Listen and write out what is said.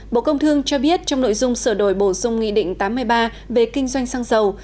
bộ công thương cho biết trong nội dung sửa đổi bổ sung nghị định tám mươi ba về kinh doanh xăng dầu